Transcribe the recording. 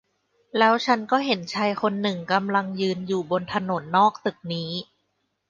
แล้วฉันก็เห็นชายคนหนึ่งกำลังยืนอยู่บนถนนนอกตึกนี้